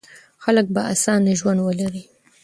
خلک به اسانه ژوند ولري.